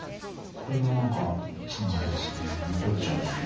これがなんかいつもあれですね。